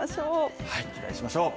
期待しましょう。